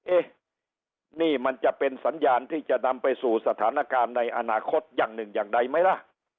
เอ๊ะนี่มันจะเป็นสัญญาณที่จะนำไปสู่สถานการณ์ในอนาคตอย่างหนึ่งอย่างใดไหมล่ะ